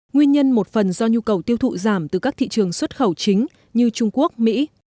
nguyên nhân một phần do nhu cầu tiêu thụ giảm từ các thị trường xuất khẩu chính như trung quốc mỹ